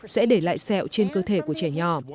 sẽ để lại sẹo trên cơ thể của trẻ nhỏ